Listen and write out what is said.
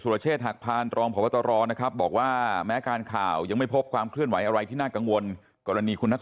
เราก็คิดด้วยหมดนะครับ